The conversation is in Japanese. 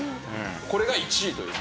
これが１位という。